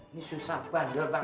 ini susah bandel pak